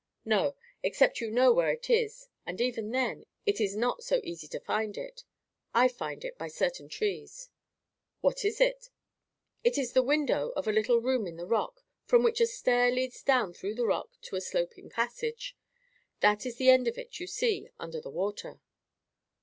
"No. Except you know where it is—and even then—it is not so easy to find it. I find it by certain trees." "What is it?" "It is the window of a little room in the rock, from which a stair leads down through the rock to a sloping passage. That is the end of it you see under the water."